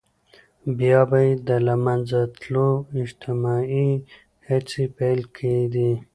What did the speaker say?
بيا به يې د له منځه تلو اجتماعي هڅې پيل کېدې.